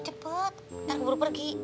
cepet ntar gue baru pergi